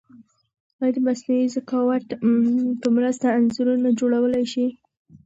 ایا د مصنوعي ذکاوت په مرسته انځورونه جوړولای شئ؟